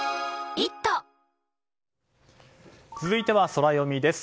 続いてはソラよみです。